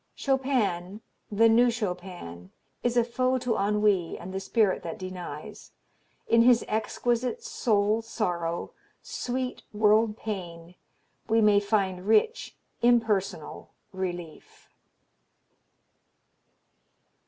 Chopin, the New Chopin, is a foe to ennui and the spirit that denies; in his exquisite soul sorrow, sweet world pain, we may find rich impersonal relief.